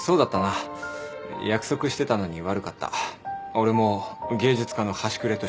俺も芸術家の端くれとして。